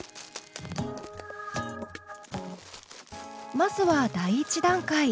まずは第１段階。